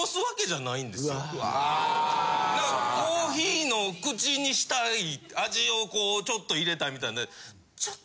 ・うわ・・あ・コーヒーの口にしたい味をこうちょっと入れたいみたいで。